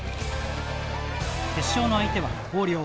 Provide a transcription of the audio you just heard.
決勝の相手は広陵。